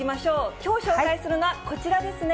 きょう、紹介するのはこちらですね。